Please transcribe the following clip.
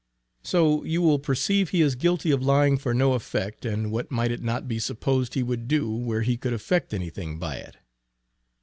So you will perceive he is guilty of lying for no effect, and what might it not be supposed he would do where he could effect anything by it.